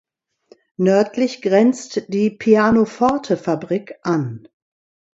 Nördlich grenzt die Pianoforte-Fabrik an.